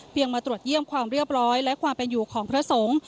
มาตรวจเยี่ยมความเรียบร้อยและความเป็นอยู่ของพระสงฆ์